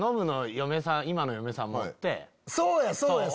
そうやそうや。